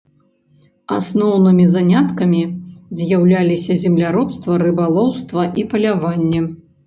Асноўнымі заняткамі з'яўляліся земляробства, рыбалоўства і паляванне.